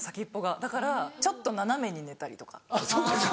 だからちょっと斜めに寝たりとか。